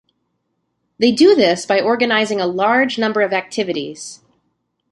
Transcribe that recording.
They do this by organising a large number of activities.